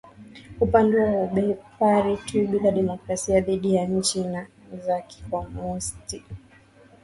upande wa ubepari tu bila demokrasia dhidi ya nchi za kikomunisti